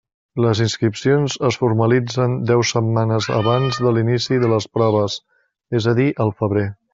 Les inscripcions es formalitzen deu setmanes abans de l'inici de les proves, és a dir, al febrer.